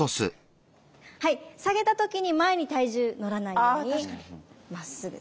はい下げた時に前に体重乗らないようにまっすぐ。